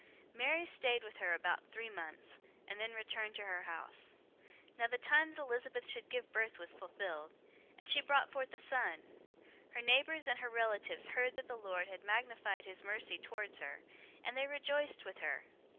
001:056 Mary stayed with her about three months, and then returned to her house. 001:057 Now the time that Elizabeth should give birth was fulfilled, and she brought forth a son. 001:058 Her neighbors and her relatives heard that the Lord had magnified his mercy towards her, and they rejoiced with her.